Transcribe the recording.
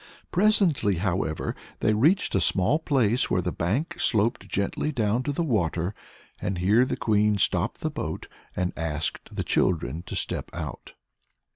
Presently, however, they reached a small place where the bank sloped gently down to the water, and here the Queen stopped the boat and asked the children to step out.